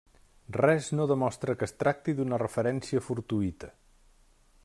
Res no demostra que es tracti d'una referència fortuïta.